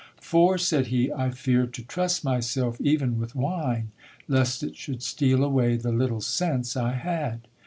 "For", said he, "I feared to trust myself even with wine, lest it should steal away the little sense I had."